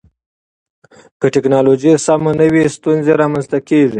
که ټکنالوژي سمه نه وي، ستونزې رامنځته کېږي.